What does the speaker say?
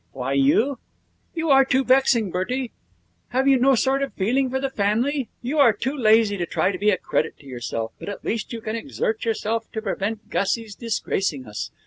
'Why you? You are too vexing, Bertie. Have you no sort of feeling for the family? You are too lazy to try to be a credit to yourself, but at least you can exert yourself to prevent Gussie's disgracing us.